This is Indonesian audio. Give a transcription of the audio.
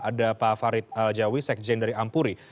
ada pak farid aljawi sekjen dari ampuri